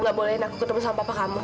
gak bolehin aku ketemu sama papa kamu